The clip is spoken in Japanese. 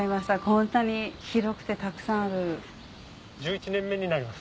こんなに広くてたくさんある。